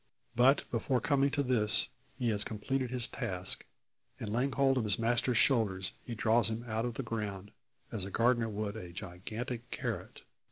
But before coming to this, he has completed his task, and laying hold of his master's shoulders, he draws him out of the ground, as a gardener would a gigantic carrot.